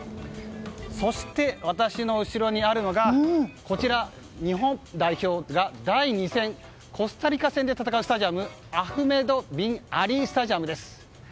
そして、私の後ろにあるのが日本代表が第２戦コスタリカ戦で戦うスタジアムアフメド・ビン・アリー・スタジアムです。